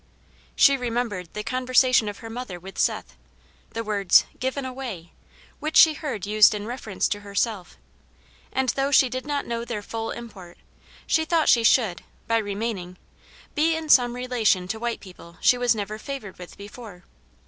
She remembered the conversation of her mother with Seth, the words "given away" which she heard used in reference to herself; and though she did not know their full import, she thought she should, by remaining, be in some relation to white people she was never favored with before.